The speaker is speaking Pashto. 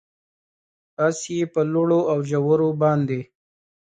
اس یې په لوړو اوژورو باندې،